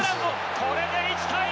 これで１対１！